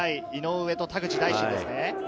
井上と田口大慎ですね。